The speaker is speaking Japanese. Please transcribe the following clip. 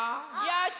よし！